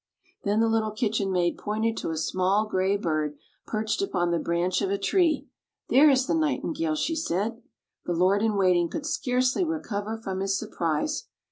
Then the little kitchen maid pointed to a small gray bird, perched upon the branch of a, tree. " There is the Nightingale," she said. The lord in waiting could scarcely recover from his surprise.